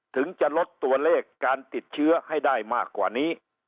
ถึงจะลดตัวเลขการติดเชื้อให้ได้มากกว่านี้